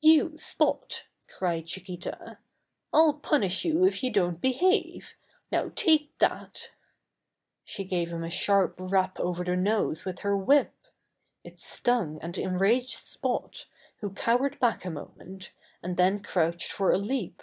"You, Spot," cried Chiquita, "I'll punish you if you don't behave. Now take that!" Buster's First Public Appearance 69 . She gave him a sharp rap over the nose with her whip. It stung and enraged Spot, who cowered back a moment, and then crouched for a leap.